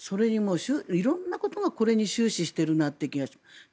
色んなことがこれに終始しているなという気がして。